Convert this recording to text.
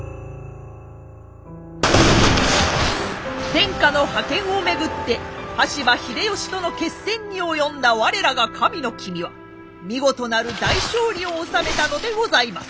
天下の覇権を巡って羽柴秀吉との決戦に及んだ我らが神の君は見事なる大勝利を収めたのでございます。